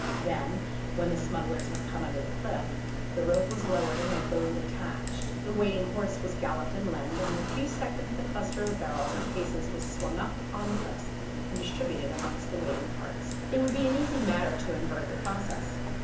Then, when the smugglers had come under the cliff, the rope was lowered and the load attached; the waiting horse was galloped inland, and in a few seconds the cluster of barrels or cases was swung up on the cliff and distributed amongst the waiting carts. It would be an easy matter to invert the process.